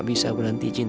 bos dewi itu kan